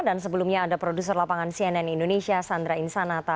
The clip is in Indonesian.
dan sebelumnya ada produser lapangan cnn indonesia sandra insanata